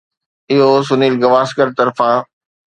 اهو سنيل گواسڪر طرفان